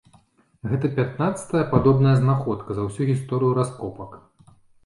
Гэта пятнаццатая падобная знаходка за ўсю гісторыю раскопак.